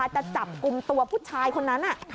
จะจับกลุ่มตัวผู้ชายคนนั้น